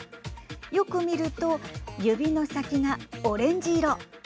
よく見ると指の先がオレンジ色。